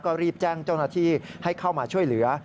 ก็รีบแจ้งเจ้าหน้าที่ให้เข้ามาช่วยเหลือ